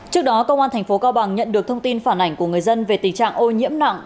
trước đó công an thành phố cao bằng nhận được thông tin phản ảnh của người dân về tình trạng ô nhiễm nặng